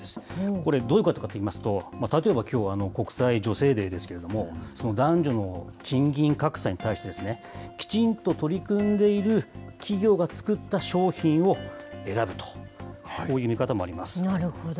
これ、どういうことかといいますと、例えばきょう、国際女性デーですけれども、男女の賃金格差に対して、きちんと取り組んでいる企業が作った商品を選ぶと、こうなるほど。